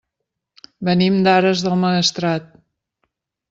Venim d'Ares del Maestrat.